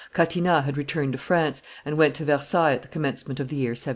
Catinat had returned to France, and went to Versailles at the commencement of the year 1702.